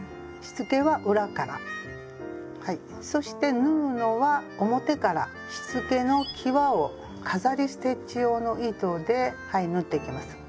しつけは裏からはいそして縫うのは表からしつけのきわを飾りステッチ用の糸で縫っていきます。